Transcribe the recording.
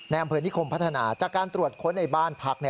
อำเภอนิคมพัฒนาจากการตรวจค้นในบ้านพัก